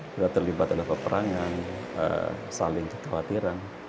sudah terlibat adalah peperangan saling kekhawatiran